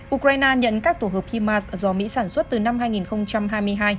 ukraine nhận các tổ hợp himas do mỹ sản xuất từ năm hai nghìn hai mươi hai